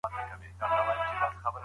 د پرمختیا پروسه به په چټکۍ سره پر مخ ځي.